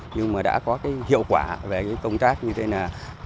nhưng mà đã có cái hiệu quả về cái công tác như thế là